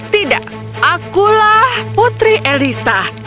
tidak akulah putri elisa